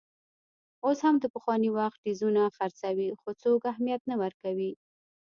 اوس هم د پخواني وخت ټیزونه خرڅوي، خو څوک اهمیت نه ورکوي.